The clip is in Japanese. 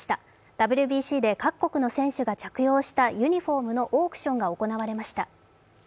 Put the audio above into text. ＷＢＣで各国の選手が着用したユニフォームのオークションが行われました。